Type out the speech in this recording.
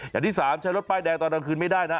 อย่างที่๓ใช้รถป้ายแดงตอนกลางคืนไม่ได้นะ